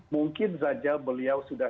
mungkin saja beliau sudah